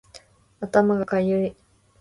頭がかゆい